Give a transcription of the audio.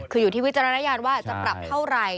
คืออยู่ที่วิจารณญาณว่าจะปรับเท่าไหร่